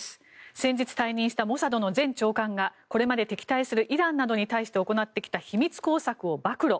先日退任したモサドの前長官がこれまで敵対するイランなどに対して行ってきた秘密工作を暴露。